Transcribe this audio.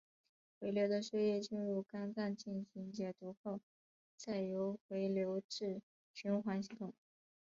回流的血液进入肝脏进行解毒后再由回流至循环系统。